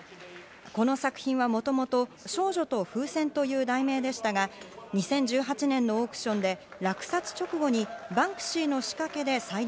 この作品はもともと『少女と風船』という題名でしたが、２０１８年のオークションで落札直後にバンクシーの仕掛けで細断